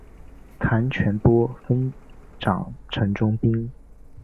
谭全播分掌城中兵。